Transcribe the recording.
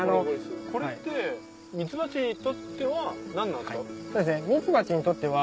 これってミツバチにとっては何なんですか？